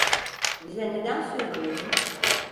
Bize neden söylemedin?